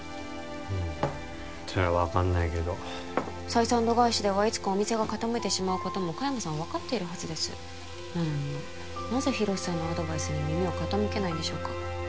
うんそれは分かんないけど採算度外視ではいつかお店が傾いてしまうことも香山さん分かっているはずですなのになぜ洋さんのアドバイスに耳を傾けないんでしょうか？